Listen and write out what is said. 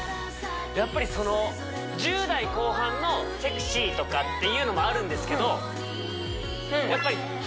やっぱりその１０代後半のセクシーとかっていうのもあるんですけど